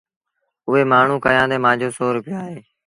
اُئي مآڻهوٚٚݩ ڪهيآݩدي مآݩجو سو روپيآ اهي